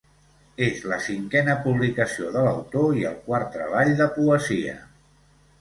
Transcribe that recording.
És la cinquena publicació de l’autor i el quart treball de poesia.